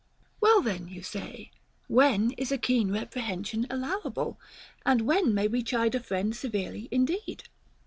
f 29. Well then, you say, when is a keen reprehen sion allowable, and when may we chide a friend severely indeed